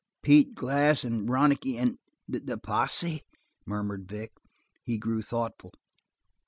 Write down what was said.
"Pete Glass and Ronicky and the posse!" murmured Vic. He grew thoughtful.